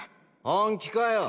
本気かよ？